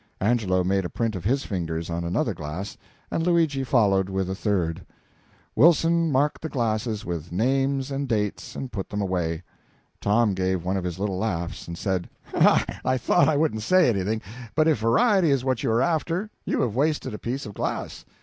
Angelo made a print of his fingers on another glass, and Luigi followed with the third. Wilson marked the glasses with names and date, and put them away. Tom gave one of his little laughs, and said "I thought I wouldn't say anything, but if variety is what you are after, you have wasted a piece of glass.